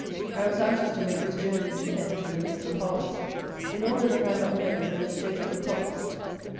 I was anxious to make this journey into Kent, in the midst of harvest, in order that I might know the real state of the crops.